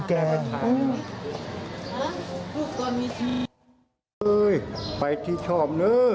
แกรักของแก